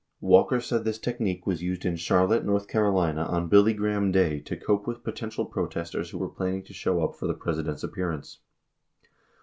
55 Walker said this technique was used in Charlotte, N.C., on Billy Graham Day to cope with potential protesters who were planning to show up for the President's appearance.